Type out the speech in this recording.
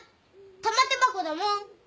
玉手箱だもん。